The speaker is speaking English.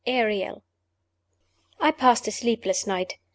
ARIEL. I PASSED a sleepless night.